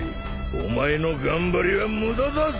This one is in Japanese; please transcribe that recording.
お前の頑張りは無駄だぞ！